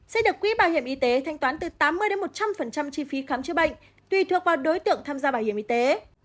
sẽ được quỹ bảo hiểm y tế thanh toán từ tám mươi một trăm linh chi phí khám chữa bệnh tùy thuộc vào đối tượng tham gia bảo hiểm y tế